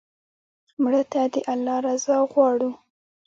مړه ته د الله رضا غواړو